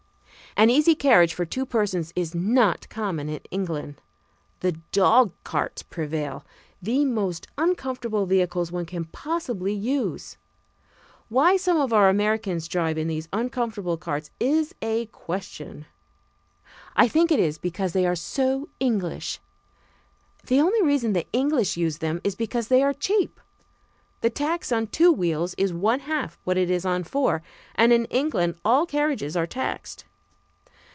An easy carriage for two persons is not common in England. The dogcarts prevail, the most uncomfortable vehicles one can possibly use. Why some of our Americans drive in those uncomfortable carts is a question. I think it is because they are "so English." The only reason the English use them is because they are cheap. The tax on two wheels is one half what it is on four, and in England all carriages are taxed.